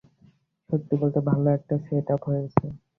সত্যি বলতে, ভালো একটা সেট-আপ হয়েছে।